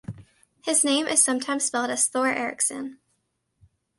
His name is sometimes spelled as Thor Eriksson.